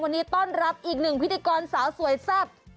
วันนี้ต้อนรับอีกหนึ่งพิธีกรสาวสวยแซ่บ